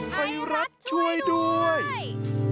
ไฟรัสช่วยด้วย